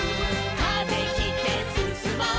「風切ってすすもう」